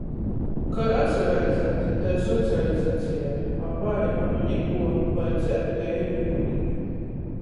Kai atsaveļdzēt, tai socializacejai. Avai, a nu nikuo! Lai dzer teiru iudini!